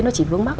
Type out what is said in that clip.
nó chỉ vướng mắt